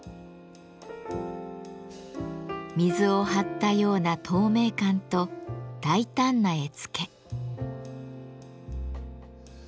水を張ったような透明感と大胆な絵付け。